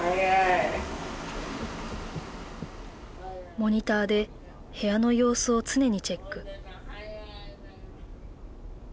モニターで部屋の様子を常にチェック。